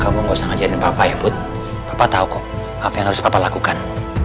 kamu gak usah ngajarin papa ya put papa tau kok apa yang harus papa lakukan